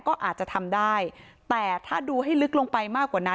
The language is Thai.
ก็อาจจะทำได้แต่ถ้าดูให้ลึกลงไปมากกว่านั้น